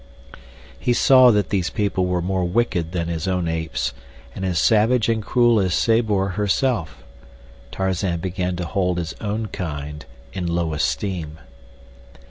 He saw that these people were more wicked than his own apes, and as savage and cruel as Sabor, herself. Tarzan began to hold his own kind in low esteem.